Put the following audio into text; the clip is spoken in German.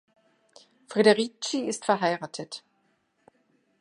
Friederici ist verheiratet.